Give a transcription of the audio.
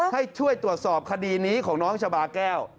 ให้ช่วยตรวจสอบคดีนี้ของน้องชาบาแก้ว